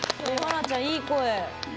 華ちゃん、いい声。